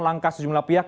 langkah sejumlah pihak